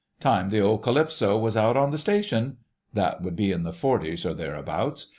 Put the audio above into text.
"Time the old Calypso was out on the Station." ... That would be in the 'forties or thereabouts.